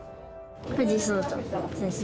藤井聡太先生。